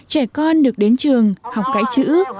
trẻ con được đến trường học cái chữ